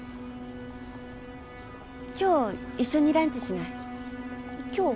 今日一緒にランチしない？今日？